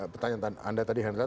pertanyaan anda tadi henry